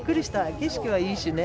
景色はいいしね。